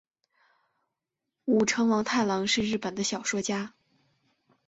舞城王太郎是日本的小说家。